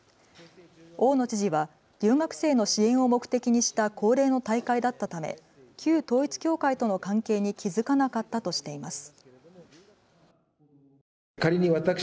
大野知事は留学生の支援を目的にした恒例の大会だったため旧統一教会との関係に気付かなかったとしています。